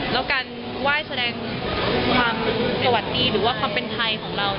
แล้วการไหว้แสดงความสวัสดีหรือว่าความเป็นไทยของเรา